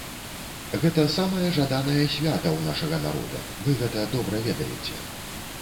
Гэта самае жаданае свята ў нашага народа, вы гэта добра ведаеце.